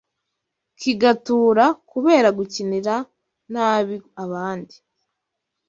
Kigatura kubera gukinira nabi abandi